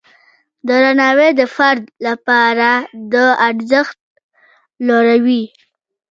درناوی د فرد لپاره د ارزښت لوړوي.